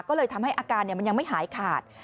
ก็เลยทำให้อาการมันยังไม่หายขาด